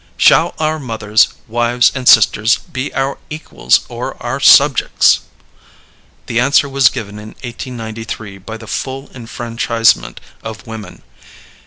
"Shall our mothers, wives, and sisters be our equals or our subjects?" The answer was given in 1893 by the full enfranchisement of women.